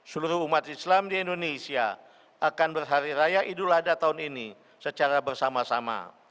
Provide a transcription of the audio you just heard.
seluruh umat islam di indonesia akan berhari raya idul adha tahun ini secara bersama sama